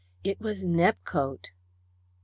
It was Nepcote.